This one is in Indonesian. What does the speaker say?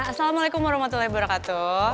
assalamualaikum warahmatullahi wabarakatuh